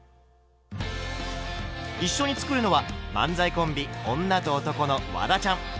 一緒に作るのは漫才コンビ「女と男」のワダちゃん。